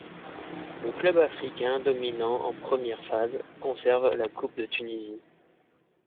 Le Club africain, dominant en première phase, conserve la coupe de Tunisie.